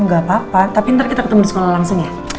nggak apa apa tapi ntar kita ketemu di sekolah langsung ya